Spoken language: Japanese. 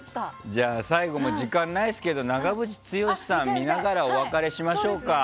じゃあ、最後時間ないですけど長渕剛さんを見ながらお別れしましょうか。